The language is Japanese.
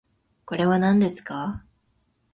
これはなんですか？